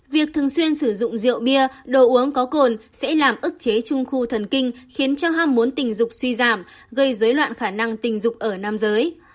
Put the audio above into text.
việc thường xuyên sử dụng rượu bia đồ uống có cồn sẽ làm ức chế trung khu thần kinh khiến cho ham muốn tình dục suy giảm gây dối loạn khả năng tình dục ở nam giới